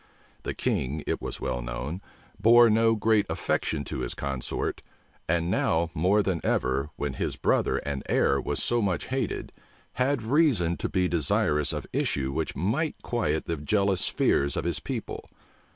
The king, it was well known, bore no great affection to his consort; and now, more than ever, when his brother and heir was so much hated, had reason to be desirous of issue which might quiet the jealous fears of his people.